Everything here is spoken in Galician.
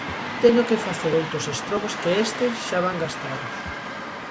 Teño que facer outros estrobos que estes xa van gastados.